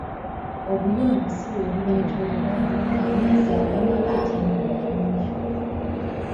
Obuyonjo sibwebuleeta obulamu, n'amazzi agamala ate nga mayonjo.